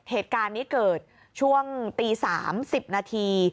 เหตุการณ์นี้เกิดช่วงตี๓๐นาที